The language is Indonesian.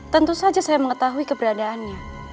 tentu saja saya mengetahui keberadaannya